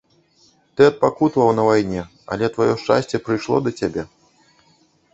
Ты адпакутаваў на вайне, але тваё шчасце прыйшло да цябе.